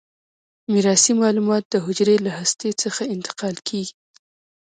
میراثي معلومات د حجره له هسته څخه انتقال کیږي.